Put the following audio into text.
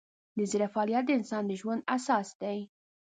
د زړه فعالیت د انسان د ژوند اساس دی.